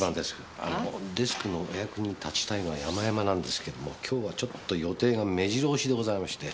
あのデスクのお役に立ちたいのは山々なんですけども今日はちょっと予定が目白押しでございまして。